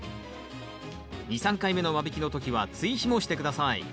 ２３回目の間引きの時は追肥もして下さい。